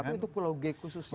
tapi untuk pulau g khususnya